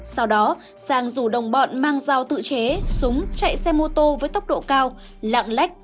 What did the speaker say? sau đó sang rủ đồng bọn mang dao tự chế súng chạy xe mô tô với tốc độ cao lạng lách